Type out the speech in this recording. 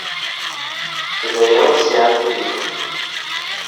D ayen i sɛiɣ ad t-id-iniɣ.